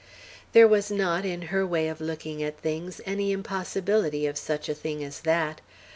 There was not, in her way of looking at things, any impossibility of such a thing as that.